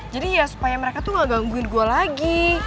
ya supaya mereka tuh gak gangguin gue lagi